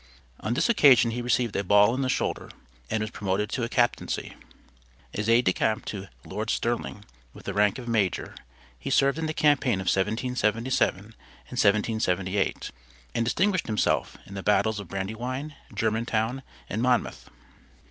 On this occasion he received a ball in the shoulder, and was promoted to a captaincy. As aide de camp to Lord Sterling, with the rank of major, he served in the campaign of 1777 and 1778, and distinguished himself in the battles of Brandywine, Germantown and Monmouth.